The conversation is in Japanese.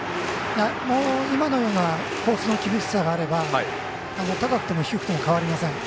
今のようなコースの厳しさがあれば高くても低くても変わりません。